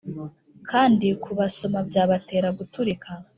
kandi kubasoma byabatera guturika